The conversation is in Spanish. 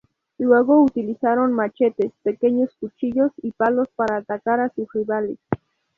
Luego utilizaron machetes, pequeños cuchillos y palos para atacar a sus rivales.